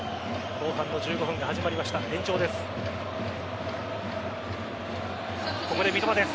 後半の１５分が始まりました延長です。